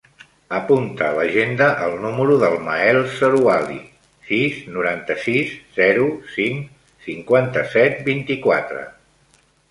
Apunta a l'agenda el número del Mael Zerouali: sis, noranta-sis, zero, cinc, cinquanta-set, vint-i-quatre.